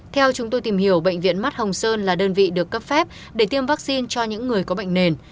theo chúng tôi tìm hiểu bệnh viện mắt hồng sơn là đơn vị được cấp phép để tiêm vaccine cho những người có bệnh nền